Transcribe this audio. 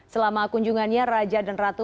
selama kunjungannya raja dan ratu